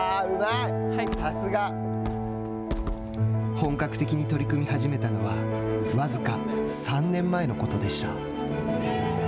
本格的に取り組み始めたのは僅か３年前のことでした。